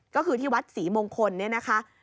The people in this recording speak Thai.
ก็คือที่วัดศรีมงคลเนี่ยนะคะ